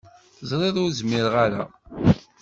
Teẓriḍ ur zmireɣ ara.